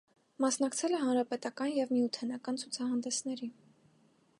Մասնակցել է հանրապետական և միութենական ցուցահանդեսների։